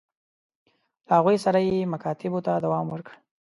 له هغوی سره یې مکاتبو ته دوام ورکړ.